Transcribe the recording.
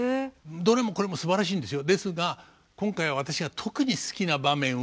どれもこれもすばらしいんですよ。